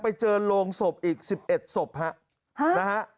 ไปเจอโรงศพอีก๑๑ศพฮะ